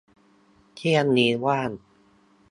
เที่ยงนี้ว่าง